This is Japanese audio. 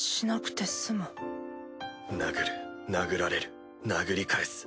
殴る殴られる殴り返す。